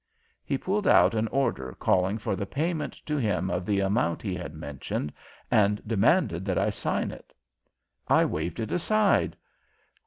He pulled out an order calling for the payment to him of the amount he had mentioned, and demanded that I sign it. I waved it aside.